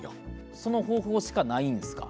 その方法しかないんですか？